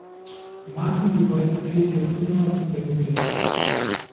Martin geweihte Kirche umfassend renoviert.